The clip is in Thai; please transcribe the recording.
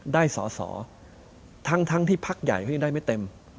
ได้สอสอทั้งที่พักใหญ่เขายังได้ไม่เต็ม